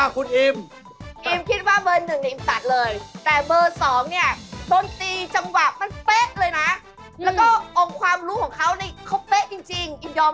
เก่งเกินปุ๋ยมุ้ยเกินไปไหม